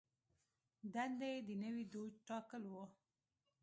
دنده یې د نوي دوج ټاکل و.